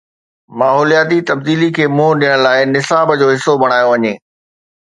ماحولياتي تبديلي کي منهن ڏيڻ لاءِ نصاب جو حصو بڻايو وڃي.